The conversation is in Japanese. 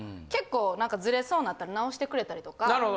結構ズレそうなったら直してくれたりとか。